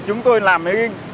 chúng tôi làm